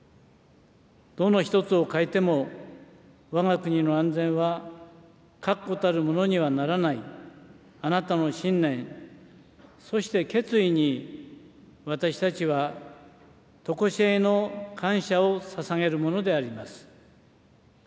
どの一つを欠いてもわが国の安全は確固たるものにはならない、あなたの信念、そして決意に、私たちはとこしえの感謝をささげるものであります。